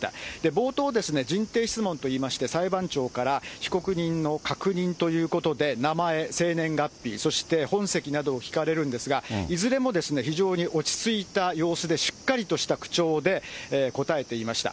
冒頭、人定質問といいまして、裁判長から被告人の確認ということで、名前、生年月日、そして本籍などを聞かれるんですが、いずれも非常に落ち着いた様子で、しっかりとした口調で答えていました。